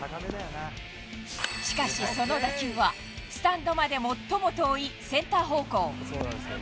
しかし、その打球はスタンドまで最も遠いセンター方向。